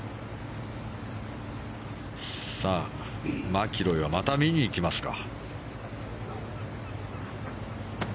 マキロイはまた見に行きますか。